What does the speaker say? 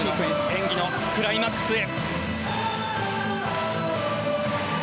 演技のクライマックスへ。